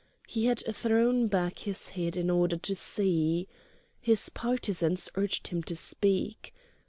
He had thrown back his head in order to see. His partisans urged him to speak.